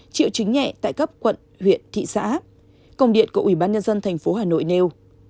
triệu chứng nhẹ tại cấp quận huyện thị xã công điện của ubnd tp hà nội nêu